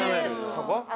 そこ？